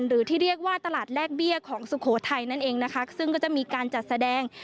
หรือที่เรียกว่าตลาดแลกเบี้ยของสุโขทัยนั่นเองนะคะซึ่งก็จะมีการจัดแสดง